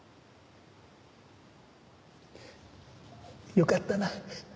よかったな。